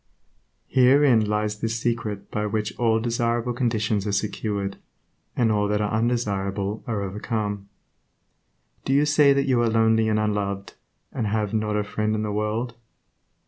Herein lies the secret by which all desirable conditions are secured, and all that are undesirable are overcome. Do you say that you are lonely and unloved, and have "not a friend in the world"?